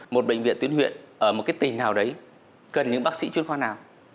một bệnh viện tuyến huyện ở một cái tỉnh nào đấy cần những bác sĩ chuyên khoa nào